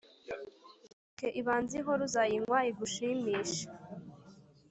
yireke ibanze ihore, uzayinywa igushimishe!